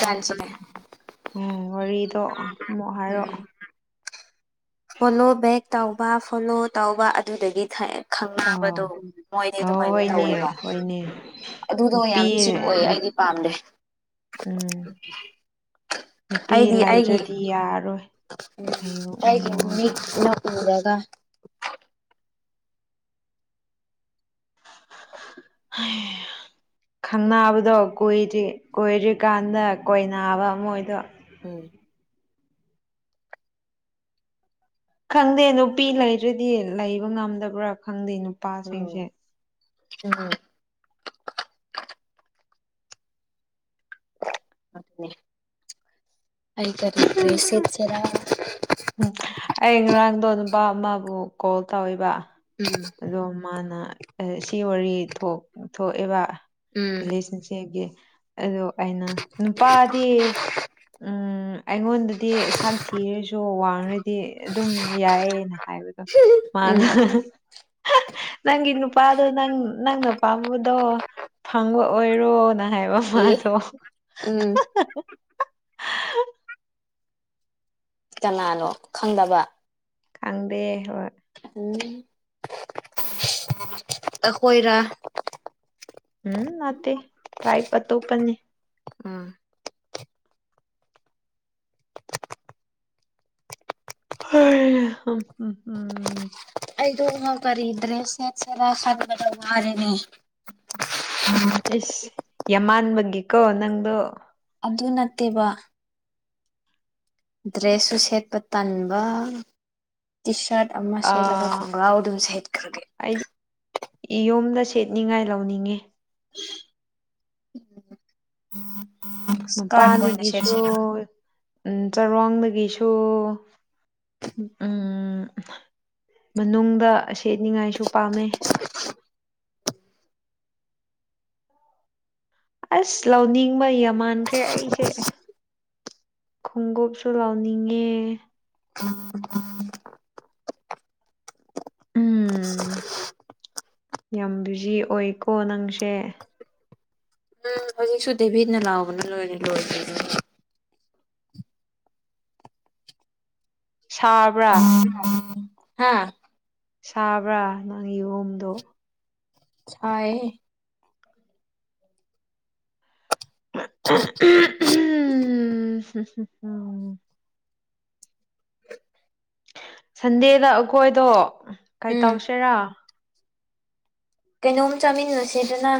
ꯎꯝ ꯋꯥꯔꯤꯗꯣ ꯑꯃꯨꯛ ꯍꯥꯏꯔꯣ ꯎꯝ ꯐꯣꯂꯣ ꯕꯦꯛ ꯇꯧꯕ ꯐꯣꯂꯣ ꯇꯧꯕ ꯑꯗꯨꯗꯒꯤ ꯊꯛꯑꯦ ꯍꯥꯏꯔꯛꯑꯣ ꯈꯪꯅꯕꯗꯣ ꯃꯣꯏꯗꯤ ꯑꯣ ꯑꯗꯨꯃꯥꯏꯅ ꯍꯣꯏꯅꯦ ꯇꯧꯋꯦꯕ ꯍꯣꯏꯅꯦ ꯑꯗꯨꯗꯣ ꯅꯨꯄꯤ ꯌꯥꯝ ꯆꯤꯛ ꯑꯣꯏ ꯑꯩꯗꯤ ꯄꯥꯝꯗꯦ ꯎꯝ ꯅꯨꯄꯤ ꯑꯩꯗꯤ ꯑꯩꯒꯤ ꯂꯩꯥꯏꯗ꯭ꯔꯗꯤ ꯌꯥꯔꯣꯏ ꯍꯡ ꯃꯤꯅ ꯄꯨꯔꯒ [inaudible] ꯍꯥꯏ ꯈꯪꯅꯕꯗꯣ ꯀ꯭ꯔꯤ ꯀꯣꯏꯗ꯭ꯔꯤꯀꯥꯟꯗ ꯀꯣꯏꯕ ꯃꯣꯏꯗꯣ ꯎꯝ ꯈꯪꯗꯦ ꯅꯨꯄꯤ ꯂꯩꯗ꯭ꯔꯗꯤ ꯂꯩꯕ ꯉꯝꯗꯕ꯭ꯔꯥ ꯈꯪꯗꯦ ꯎꯝ ꯅꯨꯄꯥꯁꯤꯡꯁꯦ ꯎꯝ ꯑꯩꯔꯠꯇ꯭ꯔꯦꯁꯤꯆꯔ ꯄꯥ ꯑꯃꯕꯨ ꯀꯣꯜ ꯇꯧꯋꯕ ꯎꯝ ꯑꯗꯣ ꯃꯥꯅ ꯑꯦ ꯁꯤ ꯋꯥꯔꯤ ꯊꯣꯛ ꯊꯣꯛꯑꯦꯕ ꯎꯝ ꯔꯤꯂꯦꯁꯟꯁꯤꯒꯤ꯫ ꯑꯗꯣ ꯑꯩꯅ ꯅꯨꯄꯥꯗꯤ ꯎꯝ ꯑꯩꯉꯣꯟꯗꯗꯤ ꯁꯥꯟ ꯊꯤꯔ ꯗꯣ ꯋꯥꯡꯉꯗꯤ ꯑꯗꯨꯝ ꯌꯥꯏꯌꯦꯅ ꯍꯥꯏꯕꯗꯣ ꯃꯥꯅ ꯎꯝ ꯅꯪꯒꯤ ꯅꯨꯄꯥꯗꯣ ꯅꯪ ꯅꯪꯅ ꯄꯥꯝꯕꯗꯣ ꯐꯪꯕ ꯑꯣꯏꯔꯣ꯫ ꯅ ꯍꯥꯏꯕ ꯑꯦ ꯃꯥꯗꯣ꯫ ꯎꯝ ꯀꯅꯥꯅꯣ ꯈꯪꯗꯕ ꯈꯪꯗꯦ ꯍꯣꯏ꯫ ꯎꯝ ꯑꯈꯣꯏꯔ ꯎꯝ ꯅꯠꯇ ꯇ꯭ꯔꯥꯏꯞ ꯑꯇꯣꯞꯄꯅꯤ꯫ ꯎꯝ꯫ ꯍꯝ ꯍꯝ ꯍꯝ꯫ ꯑꯩꯗꯣ [unintelligible] ꯀꯔꯤ ꯗ꯭ꯔꯦꯁ ꯁꯦꯠꯁꯦꯔ ꯈꯟꯕꯗ ꯋꯥꯔꯤꯅꯦ꯫ ꯏꯁ ꯌꯃꯥꯟꯕꯒꯤ ꯀꯣ ꯅꯪꯗꯣ꯫ ꯑꯗꯨ ꯅꯠꯇꯦꯕ꯫ ꯗ꯭ꯔꯦꯁꯁꯨ ꯁꯦꯠꯄ ꯇꯟꯕ ꯇꯤ ꯁꯥꯔꯠ ꯑꯃ ꯁꯦꯠꯂꯒ ꯑꯥ ꯈꯣꯡꯒ꯭ꯔꯥꯎ ꯑꯗꯨꯝ ꯁꯦꯠꯈ꯭ꯔꯒꯦ꯫ ꯑꯩꯗꯤ ꯌꯨꯝꯗ ꯁꯦꯠꯅꯤꯡꯉꯥꯏ ꯂꯧꯅꯤꯡꯉꯦ꯫ [unintelligible] ꯏꯁꯀꯥꯔꯠ ꯑꯣꯏꯅ ꯃꯄꯥꯟꯅꯒꯤꯁꯨ ꯁꯦꯠꯁꯤꯔ ꯎꯝ ꯆꯔꯣꯡꯗꯒꯤꯁꯨ꯫ ꯎꯝ ꯃꯅꯨꯡꯗ ꯁꯦꯠꯅꯤꯉꯥꯏꯁꯨ ꯄꯥꯝꯃꯦ꯫ ꯑꯁ ꯂꯧꯅꯤꯡꯕ ꯌꯥꯝꯃꯥꯟꯈ꯭ꯔꯦ ꯑꯩꯁꯦ꯫ ꯈꯣꯡꯎꯞꯁꯨ ꯂꯥꯎꯅꯤꯡꯉꯦ꯫ [unintelligible] ꯎꯝ [unintelligible] ꯌꯥꯝ ꯕꯤꯖꯤ ꯑꯣꯏꯀꯣ ꯅꯪꯁꯦ꯫ ꯍꯧꯖꯤꯛꯁꯨ ꯗꯦꯚꯠꯅ ꯂꯥꯎꯕꯅ ꯂꯣꯏꯔꯦ ꯂꯣꯏꯔꯦꯗꯣ꯫ ꯁꯥꯕ꯭ꯔꯥ [unintelligible] ꯍꯥ ꯁꯥꯕ꯭ꯔꯥ ꯅꯪ ꯌꯣꯝꯗꯣ꯫ ꯁꯥꯏꯍꯦ꯫ [unintelligible] ꯁꯟꯗꯦꯗ ꯑꯩꯈꯣꯏꯗꯣ ꯀꯩꯏ ꯎꯝ ꯇꯧꯁꯦꯔꯥ꯫ ꯀꯩꯅꯣꯝ ꯆꯥꯃꯤꯟꯅꯁꯤꯗꯅ꯫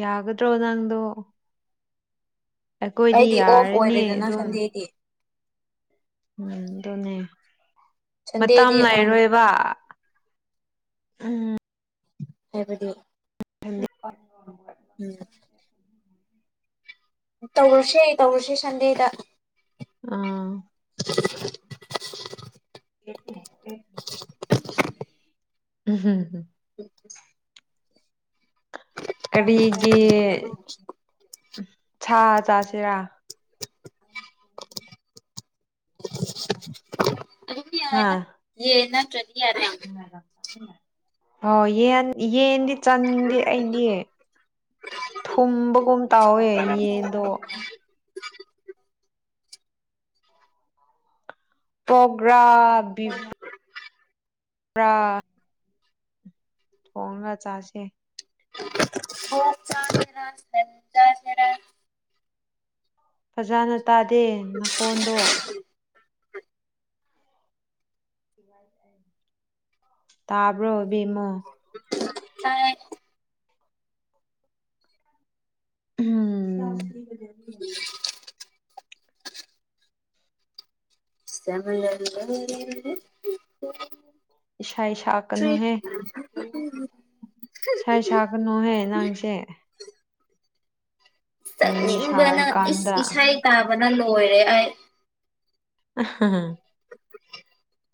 ꯌꯥꯒꯗ꯭ꯔꯣ ꯅꯪꯗꯨ꯫ ꯑꯩꯗꯤ ꯑꯣꯐ ꯌꯥꯔꯅꯤ ꯑꯣꯏꯔꯦꯗꯅ ꯑꯗꯨꯝ ꯁꯟꯗꯦꯗꯤ꯫ ꯎꯝ ꯑꯗꯨꯅꯦ ꯃꯇꯝ ꯁꯟꯗꯦꯗꯤ ꯑꯝ ꯂꯥꯏꯔꯣꯏꯕ꯫ ꯎꯝ꯫ ꯍꯥꯏꯕꯗꯤ꯫ ꯎꯝ [unintelligible] ꯎꯝ꯫ ꯇꯧꯔꯁꯤ ꯇꯧꯔꯁꯤ ꯁꯟꯗꯦꯗ꯫ ꯑꯥ꯫ [unintelligible] ꯑꯦ [unintelligible] [unintelligible] ꯀꯔꯤꯒꯤ ꯁꯥ ꯆꯥꯁꯤꯔꯥ꯫ ꯑꯗꯨꯝꯌꯥꯏꯗ ꯌꯦꯟ ꯅꯠꯇꯔꯗꯤ ꯌꯥꯅꯤ꯫ ꯍꯣ ꯌꯦꯟ ꯌꯦꯗꯤ ꯆꯥꯅꯤꯡꯗꯦ ꯑꯩꯗꯤ꯫ ꯊꯨꯝꯕꯒꯨꯝ ꯇꯥꯎꯋꯦ ꯌꯦꯟꯗꯣ꯫ ꯄꯣꯛꯔ ꯕꯤꯐ ꯄꯨ꯭ꯔꯥ ꯊꯣꯡꯉꯒ ꯆꯥꯁꯦ ꯍꯣ ꯆꯥꯖꯔꯥ ꯁ ꯆꯥ ꯆꯔꯥ ꯐꯖꯅ ꯇꯥꯗꯦ ꯅꯈꯣꯟꯗꯣ ꯇꯔꯕ ꯑ ꯎꯝ ꯎ ꯇꯃꯦꯜ ꯏꯁꯩ ꯇ꯭ꯔꯤ ꯁꯥꯏ ꯁꯥꯒꯅꯨꯍꯦ ꯅꯍꯥꯡꯁꯦ ꯆꯛꯅꯤꯡꯕꯅ ꯏꯁ ꯁꯥꯔꯀꯥꯟꯗ ꯏꯁꯩ ꯇꯥꯕꯅ ꯂꯣꯏꯔꯦ ꯑꯩ [unintelligible]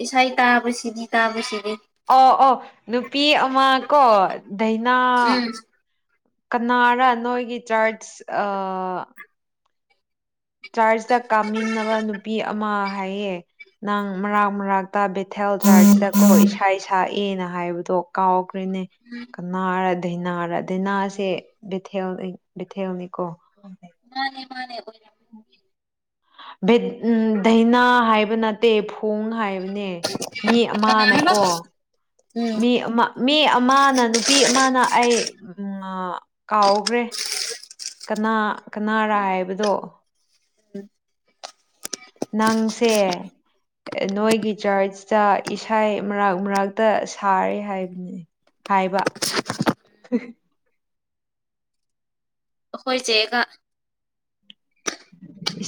ꯏꯁꯥꯏ ꯇꯥꯕꯁꯤꯗꯤ ꯇꯥꯕꯁꯤꯗꯤ ꯑ ꯑꯣ ꯅꯨꯄꯤ ꯑꯃ ꯀꯣ ꯙꯏꯅꯥ ꯎꯝ ꯀꯅꯥꯔ ꯅꯣꯏꯒꯤ ꯆꯥꯔꯆ ꯆꯥꯔꯆꯇ ꯀꯥꯃꯤꯟꯅꯕ ꯅꯨꯄꯤ ꯑꯃ ꯍꯥꯏꯌꯦ ꯅꯪ ꯃꯔꯥꯛ ꯃꯔꯥꯛ ꯍꯇꯥ ꯕꯤꯦꯊꯦꯜ ꯗꯖ꯭ꯔꯔꯖꯇ ꯀꯣ ꯏꯁꯥ ꯁꯛꯑꯅ ꯍꯥꯏꯕꯗꯣ ꯀꯥꯎ ꯅꯦ ꯀꯅꯥ ꯍꯥꯏꯔ ꯗꯥꯩꯅꯥꯔ ꯩꯅꯥꯁꯦ ꯊꯦꯜ ꯕꯤꯊꯦꯜꯅꯤꯀꯣ ꯃꯥꯅꯦ ꯃꯥꯅꯦ ꯎ ꯙꯏꯅꯥ ꯍꯥꯏꯕ ꯅꯠꯇꯦ ꯊꯣꯡ ꯍꯥꯏꯕꯅꯦ ꯃꯤ ꯀꯅꯥ ꯍꯥꯏꯕ ꯑꯃꯅꯀꯣ ꯎꯝ ꯃꯤ ꯑꯃ ꯃꯤ ꯑꯃꯅ ꯅꯨꯄꯤ ꯑꯃꯅ ꯑꯩ ꯀꯥꯎꯈ꯭ꯔꯦ ꯀꯅꯥ ꯀꯅꯥꯔ ꯍꯥꯏꯕꯗꯣ ꯎꯝ ꯅꯪꯁꯦ ꯅꯣꯏꯒꯤ ꯆꯔꯆꯇ ꯏꯁꯥ ꯃꯔꯛ ꯃꯔꯥꯛꯛꯇ ꯁꯥꯔꯦ ꯍꯥꯏꯕꯅꯤ ꯍꯥꯏꯕ ꯍꯖꯒ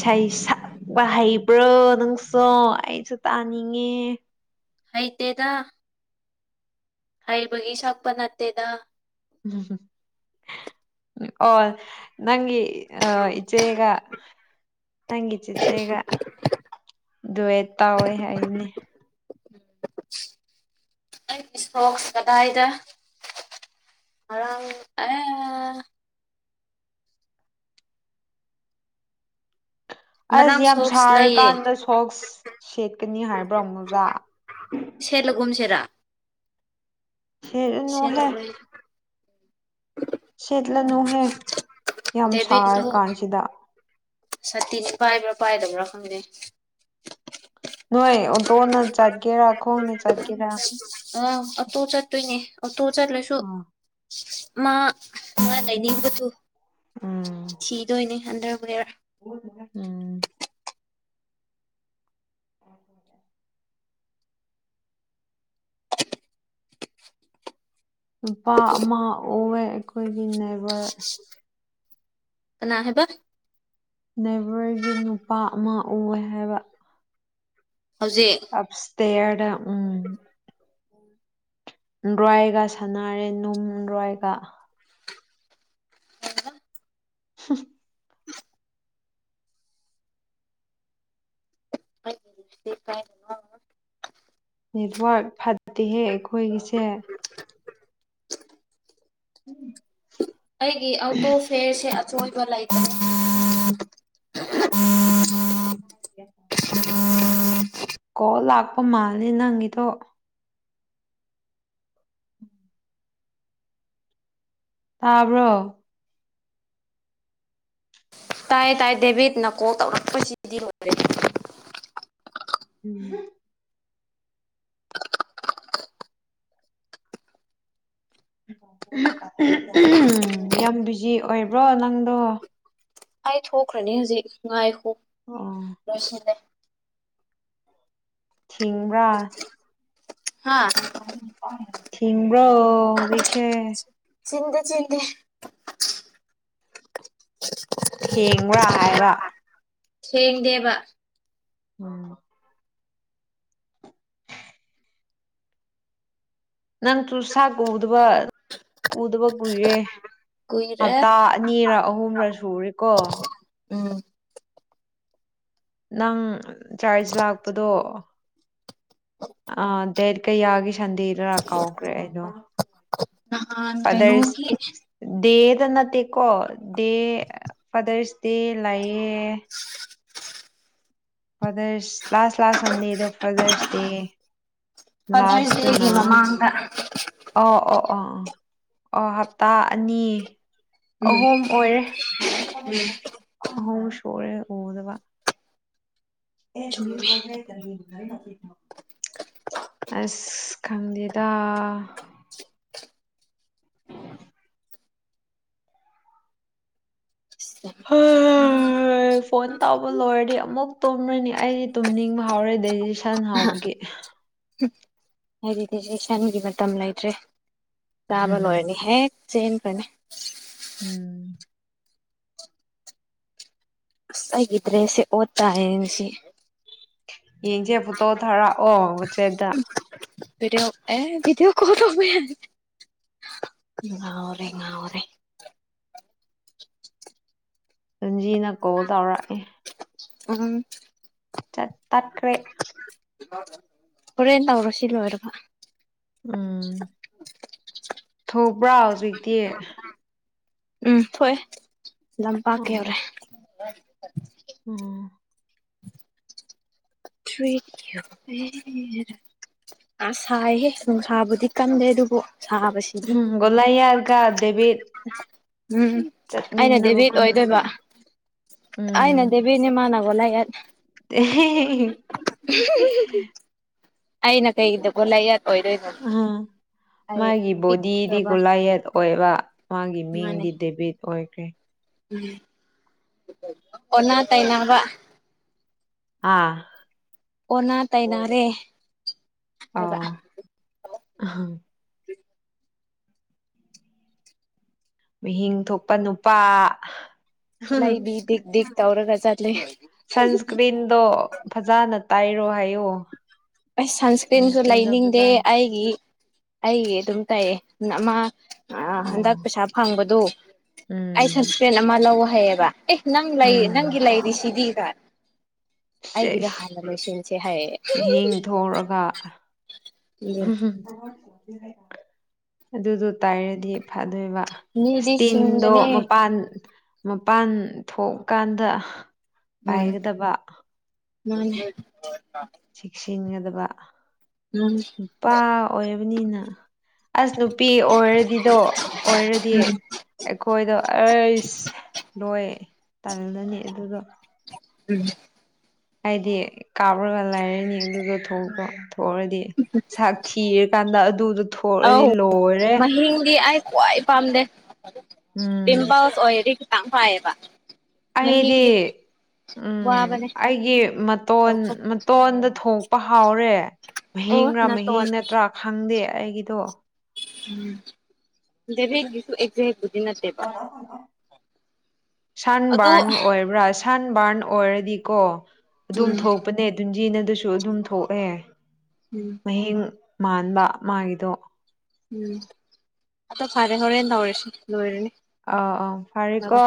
ꯁꯥꯏ ꯋꯥ ꯍꯩꯕ꯭ꯔꯣ ꯅꯪꯁꯨ ꯑꯩꯁꯨ ꯇꯥꯅꯤꯡꯉꯦ ꯍꯥꯏ ꯇꯦꯗ ꯍꯥꯏꯕꯒꯤ ꯁꯛꯄ ꯅꯠꯇꯦꯗ ꯎꯝ ꯑꯣ ꯅꯪꯒꯤ ꯑ ꯏ ꯆꯦꯒ ꯅꯪꯤ ꯆꯤ ꯆꯦꯒ ꯑꯗꯨꯋꯦ ꯇꯥꯎꯋꯦ ꯍꯥꯏꯅꯦ ꯀꯗꯥꯏꯗ ꯑꯔꯥꯡ ꯑꯦ ꯑꯁ ꯉꯔꯥꯡ ꯌꯥꯝ ꯁꯣꯛꯁ ꯂꯩꯌꯦ ꯁꯥꯔꯀꯥꯟꯗ ꯁꯣꯛꯁ ꯁꯦꯠꯀꯅꯤ ꯍꯥꯏꯕ꯭ꯔꯣ ꯃ ꯑꯣꯖꯥ ꯁ ꯂꯨꯝ ꯁꯦꯔꯅꯣꯍꯦ ꯁꯦꯠꯂꯔꯣꯏ ꯁꯦꯠꯂꯅꯨꯍꯦ ꯌꯥꯝ ꯁꯥꯔ ꯀꯥꯟꯁꯤꯗ ꯁꯇꯤꯅꯤ ꯄꯥꯏꯕ꯭ꯔꯥ ꯄꯥꯏꯗꯕ꯭ꯔꯥ ꯈꯪꯗꯦ ꯅꯣꯏ ꯇꯣꯅ ꯆꯥꯠꯀꯦꯔ ꯈꯣꯡꯣꯡꯅ ꯆꯥꯠꯀꯦꯔ ꯑꯥ ꯑꯣꯇꯣ ꯆꯠꯇꯣꯏꯅꯦ ꯑꯣꯇꯣ ꯆꯠꯂꯁꯨ ꯑꯥ ꯃꯥ ꯃꯥ ꯂꯩꯅꯤꯡꯕꯗꯨ ꯎꯝ ꯊꯤꯗꯣꯏꯅꯦ ꯑꯟꯗꯔꯕꯨꯒꯔ ꯎꯝ ꯑꯣꯦ ꯅꯨꯄꯥ ꯑꯃ ꯑꯣꯏꯑ ꯑꯩꯈꯣꯏꯒꯤ ꯅꯅꯥꯦꯕꯔ ꯀꯅꯥ ꯍꯥꯏꯕ ꯅꯅꯥꯦꯕꯔꯒꯤ ꯅꯨꯄꯥ ꯑꯃ ꯑꯣꯏ ꯍꯥꯏꯕ ꯍꯧꯖꯤꯛ ꯑꯞꯁꯇꯌꯥ ꯎꯝ ꯔꯥꯏꯒ ꯁꯥꯟꯅꯔꯦ ꯅꯨꯡ ꯔꯣꯏꯒ [inaudible] ꯅ ꯅꯦꯠꯋꯔꯛ ꯐꯠꯇꯦꯍꯦ ꯑꯩꯈꯣꯏꯒꯤꯁꯦ ꯎꯝ ꯑꯩꯒꯤ ꯑꯥꯎ ꯇꯣ ꯐꯦꯔ ꯁꯤ [unintelligible] [inaudible] [unintelligible] [inaudible] [inaudible] ꯀꯣ ꯂꯥꯛꯄ ꯃꯥꯜꯂꯦ ꯅꯪꯒꯤꯗꯣ ꯇꯥꯕ꯭ꯔꯣ ꯇꯥꯏ ꯇꯥꯏ ꯗꯦꯕꯤꯠꯅꯀꯣ ꯇꯧꯔꯛꯄꯁꯤꯗꯤ ꯂꯣꯏꯔꯦ ꯎꯝ ꯎꯝ ꯌꯥꯝ ꯕꯤꯖꯤ ꯑꯣꯏꯕ꯭ꯔꯣ ꯅꯪꯗꯣ ꯑꯩ ꯊꯣꯛꯈ꯭ꯔꯅꯤ ꯍꯧꯖꯤꯛ ꯉꯥꯏꯈꯣꯛ ꯑꯣ ꯂꯣꯏꯁꯤꯜꯂ ꯊꯤꯡꯕ꯭ꯔꯥ ꯍꯥ ꯊꯤꯡꯕ꯭ꯔꯣ ꯍꯧꯖꯤꯛ ꯆ ꯆꯤꯟꯗ ꯆꯤꯟꯗ ꯊꯦꯡꯕ꯭ꯔꯥ ꯍꯥꯏꯕ ꯊꯦꯡ ꯗꯦꯕ ꯎꯝ ꯅꯪ ꯆꯨꯁ ꯀꯗꯕ ꯎꯗꯕ ꯀꯨꯏꯔꯦ ꯀꯨꯏꯔꯦ ꯍꯞꯇꯥ ꯑꯅꯤꯔ ꯑꯍꯨꯝꯔ ꯁꯔꯤꯀꯣ ꯎꯝ ꯅꯪ ꯆꯥꯔꯖ ꯂꯥꯛꯄꯗꯣ ꯑ ꯗꯦꯠ ꯀꯌꯥꯒꯤ ꯁꯟꯗꯤꯗꯔ ꯀꯥꯎꯈ꯭ꯔꯦ ꯅꯍꯥꯟ ꯑꯗꯔꯁ ꯀꯩꯅꯣꯒꯤ ꯗꯦ ꯁꯤꯗ ꯅꯠꯇꯦꯀꯣ ꯗꯦ ꯐꯥꯗꯔꯁ ꯗꯦ ꯂꯥꯛꯑꯦ ꯐꯗꯔꯁ ꯂꯥꯁ ꯂꯥꯁ ꯁꯟꯗꯦꯗꯣ ꯐꯥꯗꯔꯁ ꯗꯦ ꯐꯥꯗꯔꯁ ꯗꯦꯒꯤ ꯂꯥꯁꯇꯅ ꯃꯃꯥꯡꯗ ꯑ ꯑꯣ ꯑ ꯑ ꯑꯣ ꯍꯞꯇꯥ ꯑꯅꯤ ꯑꯍꯨꯝ ꯑꯣꯏꯔꯦ ꯑꯍꯣꯝ ꯁꯔꯦ ꯎꯗꯕ ꯑꯦ ꯀ꯭ꯔꯣꯖ꯭ꯔꯦꯛ ꯑꯁ ꯈꯪꯗꯦꯗ ꯎꯝ ꯍ ꯍ ꯍꯣꯏ ꯐꯣꯟ ꯇꯧꯕ ꯂꯣꯏꯔꯗꯤ ꯑꯃꯨꯛ ꯇꯨꯝꯔꯅꯤ ꯑꯩꯗꯤ ꯇꯨꯝꯅꯤꯡꯕ ꯍꯥꯎꯔꯦ ꯗꯦꯖꯤ ꯁꯟ ꯍꯥꯎꯕꯒꯤ [inaudible] ꯍꯥꯏꯗꯤꯗꯤ ꯁꯤ ꯁꯟꯒꯤ ꯃꯇꯝ ꯂꯩꯇ꯭ꯔꯦ ꯆꯥꯕ ꯂꯣꯏꯔꯅꯤ ꯍꯦꯛ ꯁꯤꯩꯅ ꯀꯅꯦ ꯎꯝ ꯒꯗ꯭ꯔꯦ ꯁꯤꯦ ꯑꯣ ꯇꯑꯁꯤ ꯌꯦꯡꯁꯦ ꯄꯨꯠꯇꯣ ꯊꯔꯥ ꯑꯣ ꯎꯆꯦꯗ ꯗꯤꯑꯣ ꯑꯦꯕꯤꯗꯤꯑꯣ ꯀꯔꯕ ꯉꯔꯦ ꯉꯔꯦ ꯔꯟꯖꯤꯅ ꯀꯣꯜ ꯇꯧꯔꯛꯏꯦ ꯎꯝ ꯆ ꯇꯈ꯭ꯔꯦ ꯍꯣꯔꯦꯟ ꯇꯧꯔꯁꯤ ꯂꯣꯏꯔꯕ ꯎꯝ ꯊꯣꯛꯄ꯭ꯔꯥ ꯍꯧꯖꯤꯛꯇꯤ ꯎꯝ ꯊꯣꯛꯑꯦ ꯂꯝꯄꯥꯛ ꯀ ꯑꯣ ꯌꯧꯔꯦ ꯎꯝ ꯔꯤ ꯑ ꯁꯥꯏꯍꯦ ꯅꯨꯡꯁꯥꯕꯨꯗꯤ ꯀꯟꯗꯦ ꯑꯗꯨꯕꯨ ꯁꯥꯕꯁꯤꯗꯤ ꯎꯝ ꯣꯂꯥꯏꯒ ꯗꯦꯕꯤꯠ ꯎꯝ ꯑꯩꯅ ꯗꯦꯚꯠ ꯆꯠꯃꯤꯟꯅꯕꯒꯨꯝ ꯑꯣꯏꯗꯣꯏꯕ ꯑꯩꯅ ꯎꯝ ꯗꯦꯚꯠꯅꯦꯃꯥꯟꯅꯕ ꯋꯥꯂ [unintelligible] ꯑꯩꯅ ꯀꯩꯒꯤꯗ ꯀꯣꯂ ꯑꯣꯏꯗꯣꯏꯅ ꯑ ꯑꯩ ꯃꯥꯒꯤ ꯕꯣꯗꯤꯗꯤ ꯄꯤꯛ꯭ꯔꯕ ꯒꯣꯂꯥꯏꯌꯦꯠ ꯑꯣꯏꯕ ꯃꯥꯒꯤ ꯃꯤꯡꯗꯤ ꯗꯦꯕꯤꯠ ꯑꯣꯏꯈ꯭ꯔꯦ ꯎꯝ ꯑꯣ ꯇ ꯑꯥ ꯑꯣꯅꯥ ꯇꯥꯏꯅꯔꯦ ꯑ ꯃꯤꯍꯤꯡ ꯊꯣꯛꯄ ꯅꯨꯄꯥ ꯂꯥꯏ ꯗꯤꯛ ꯗꯤꯛ ꯇꯧꯔꯒꯖ ꯑꯂꯤ ꯁꯟꯁꯀ꯭ꯔꯤꯟꯗꯣ ꯐꯖꯅ ꯇꯥꯏꯔꯣ ꯍꯥꯏꯌꯣ ꯑ ꯁꯟꯁꯀ꯭ꯔꯤꯟꯁꯨ ꯁꯟꯁꯀ꯭ꯔꯤꯟꯗꯣ ꯂꯩꯅꯤꯡꯗꯦ ꯐꯖꯅ ꯑꯩꯒꯤ ꯑꯩꯒꯤ ꯑꯗꯨꯝ ꯇꯩꯌꯦ ꯑꯃ ꯑꯣ ꯍꯟꯗꯛ ꯄꯩꯁꯥ ꯐꯪꯕꯗꯨ ꯑꯩ ꯎꯝ ꯁꯁꯄꯦꯟ ꯑꯃ ꯂꯧ ꯍꯥꯏꯌꯦꯕ ꯑꯦ ꯅꯪ ꯂꯩ ꯎꯝ ꯅꯪꯒꯤ ꯂꯩꯔꯤꯁꯤꯗꯤꯒ ꯑꯩꯒꯤꯗ ꯁꯦꯁ ꯍꯥꯜꯅꯁꯤꯦꯟꯁꯦ ꯍꯥꯏꯌꯦꯦ ꯃꯍꯤꯡ [inaudible] ꯑꯗꯨꯗꯣ ꯇꯥꯏꯔꯗꯤ ꯐ ꯑꯗꯨꯕ ꯃꯤꯗꯤ ꯏꯁꯇꯤꯟꯗꯣ ꯁꯤꯡꯕꯅꯦ ꯃꯄꯥꯟ ꯃꯄꯥꯟ ꯊꯣꯛꯀꯥꯟꯗ ꯄꯥꯏꯒꯗꯕ ꯎꯝ ꯆꯤꯟꯒꯗꯕ ꯎꯝ ꯅꯨꯄꯥ ꯑꯣꯏꯕꯅꯤꯅ ꯑꯁ ꯅꯨ ꯅꯨꯄꯤ ꯑꯣꯏꯔꯗꯤꯗꯣ ꯑꯣꯏꯔꯗꯤ ꯑꯩꯈꯣꯏꯗꯣ ꯑꯁ ꯂꯣꯏ ꯇꯜꯂꯅꯤ ꯑꯗꯨꯗꯣ ꯎꯝ ꯍꯥꯏꯗꯤ ꯀꯥꯞꯔꯒ ꯂꯩꯔꯅꯤ ꯑꯗꯨꯗ ꯊꯣꯛꯄꯣ ꯊꯣꯛꯔꯗꯤ ꯆꯥꯛ ꯊꯤꯔꯀꯥꯟꯗ ꯑꯗꯨꯗꯨ ꯑ ꯃꯍꯤꯗꯤ ꯑ ꯈ꯭ꯋꯥꯏ ꯄꯥꯝꯗꯦ ꯎꯝ ꯄꯤꯝꯄꯜꯁ ꯑꯣꯏꯔꯗꯤ ꯈꯤꯇꯪ ꯐꯥꯏꯌꯦꯕ ꯑꯩꯗꯤ ꯃꯍꯤꯡꯗꯤ ꯎꯝ ꯋꯥꯕꯅꯦ ꯑꯩꯒꯤ ꯃꯇꯣꯟ ꯂꯧꯊꯣꯛꯄ ꯃꯇꯣꯟꯗ ꯊꯣꯛ ꯄ ꯍꯥꯎꯔꯦ ꯑꯣ ꯃꯍꯤꯡꯒꯥ ꯃꯍꯤꯡ ꯅꯥꯇꯣꯟ ꯅꯠꯇ꯭ꯔꯥ ꯈꯪꯗꯦ ꯑꯩꯒꯤꯗꯣ ꯎꯝ ꯗꯦꯔꯦꯛ ꯑꯦꯖ ꯑꯗꯣ ꯁꯟꯕꯔꯟ ꯑꯣꯏꯕ꯭ꯔꯥ ꯁꯟ ꯕꯥꯔꯟ ꯑꯣꯏꯔꯗꯤꯀꯣ ꯑꯗꯨꯝ ꯎꯝ ꯊꯣꯛꯄꯅꯦ ꯟꯖꯤꯅ ꯑꯗꯨꯁꯨ ꯑꯗꯨꯝ ꯊꯣꯛꯑꯦ ꯎꯝ ꯃꯍꯌꯦꯡ ꯃꯥꯟꯕ ꯃꯥꯒꯤꯗꯣ ꯎꯝ ꯑꯗꯣ ꯐꯔꯦ ꯍꯣꯔꯦꯟ ꯇꯧꯔꯁꯤ ꯂꯣꯏꯔꯅꯤ ꯑꯥ ꯑꯥ ꯕ ꯐꯔꯦꯀꯣ